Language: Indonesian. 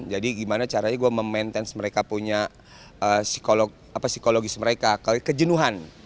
gimana caranya gue memaintainse mereka punya psikologis mereka kejenuhan